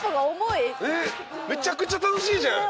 めちゃくちゃ楽しいじゃん。